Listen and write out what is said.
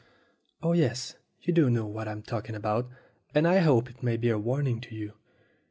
"Oh, yes, you do know what I'm talking about, and I hope it may be a warning to you.